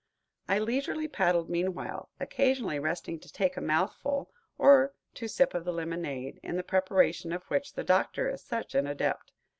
I leisurely paddled meanwhile, occasionally resting to take a mouthful or to sip of the lemonade, in the preparation of which the Doctor is such an adept.